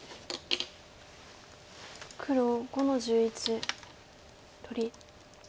黒５の十一取り。